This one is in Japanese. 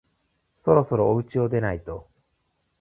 そろそろおうちを出ないと